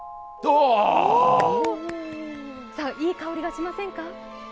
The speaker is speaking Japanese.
いい香りがしませんか？